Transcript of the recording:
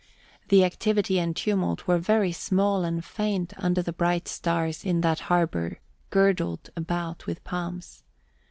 The activity and tumult were very small and faint under the bright stars in that harbour girdled about with palms.